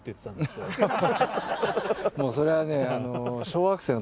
もうそれはねあの。